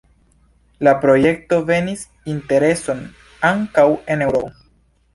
La projekto vekis intereson ankaŭ en Eŭropo.